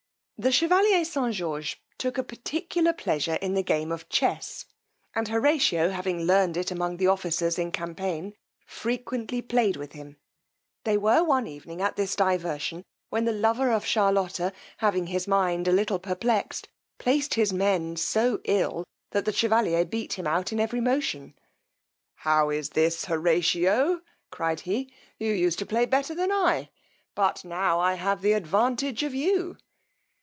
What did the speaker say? The chevalier St. George took a particular pleasure in the game of Chess; and Horatio having learned it among the officers in Campaine, frequently played with him: they were one evening at this diversion, when the lover of Charlotta having his mind a little perplexed, placed his men so ill, that the chevalier beat him out at every motion. How is this, Horatio, cried he; you used to play better than I, butt now I have the advantage of you.